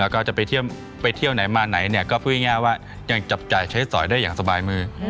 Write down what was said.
แล้วก็จะไปเที่ยวไหนมาไหนเนี่ยก็พูดง่ายว่ายังจับจ่ายใช้สอยได้อย่างสบายมือ